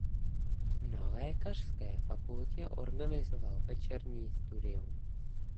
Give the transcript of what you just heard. Na Lékařské fakultě organizoval večerní studium.